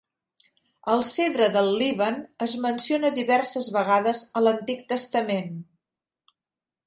El cedre del Líban es menciona diverses vegades a l'Antic Testament.